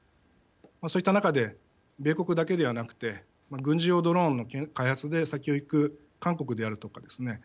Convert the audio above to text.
そういった中で米国だけではなくて軍事用ドローンの開発で先を行く韓国であるとかですね